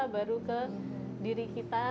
baru ke diri kita